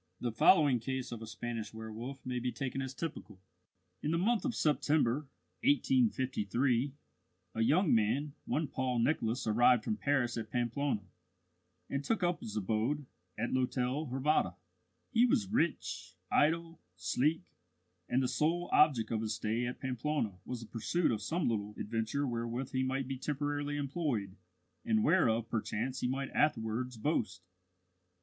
The following case of a Spanish werwolf may be taken as typical: In the month of September, 1853, a young man, one Paul Nicholas, arrived from Paris at Pamplona, and took up his abode at l'Hôtel Hervada. He was rich, idle, sleek; and the sole object of his stay at Pamplona was the pursuit of some little adventure wherewith he might be temporarily employed, and whereof perchance he might afterwards boast.